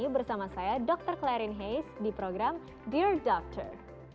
bersama saya dr clarin heis di program dear doctor